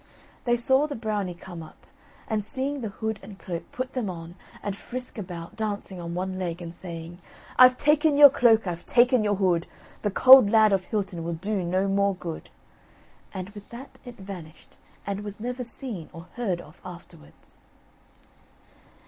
They saw the Brownie come up, and seeing the hood and cloak, put them on, and frisk about, dancing on one leg and saying: "I've taken your cloak, I've taken your hood; The Cauld Lad of Hilton will do no more good." And with that it vanished, and was never seen or heard of afterwards.